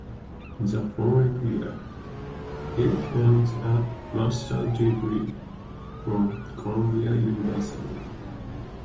The following year, he earned a Masters degree from Columbia University.